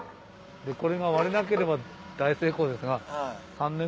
これが割れなければ大成功ですが。